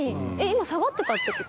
今下がってたって事？